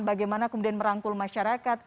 bagaimana kemudian merangkul masyarakat